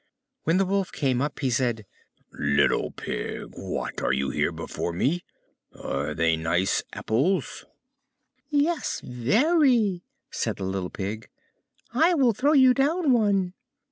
When the Wolf came up he said, "Little Pig, what! are you here before me? Are they nice apples?" "Yes, very," said the little Pig; "I will throw you down one."